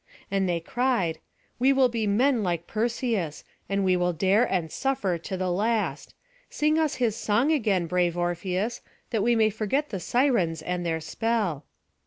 And they cried: "We will be men like Perseus, and we will dare and suffer to the last. Sing us his song again, brave Orpheus, that we may forget the Sirens and their spell."